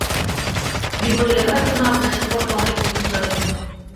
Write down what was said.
জীবনী লেখার জন্যে আপনার সম্পর্কে অনেক তথ্য প্রয়োজন।